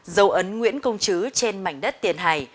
dấu ấn nguyễn công chứ trên mảnh đất tiền hải